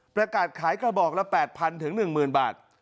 ประกาศขายกระบอกละ๘๐๐๑๐๐บาท